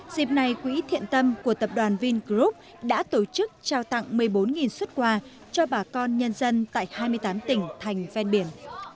dịp này quỹ thiện tâm của tập đoàn vingroup đã tổ chức trao tặng một mươi bốn xuất quà cho bà con nhân dân tại hai mươi tám tỉnh thành ven biển